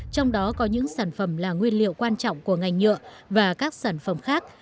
trong đó có những sản phẩm là nguyên liệu quan trọng của ngành nhựa và các sản phẩm khác